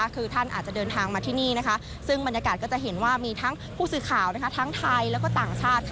คือท่านอาจจะเดินทางมาที่นี่ซึ่งบรรยากาศก็จะเห็นว่ามีทั้งผู้สื่อข่าวทั้งไทยแล้วก็ต่างชาติ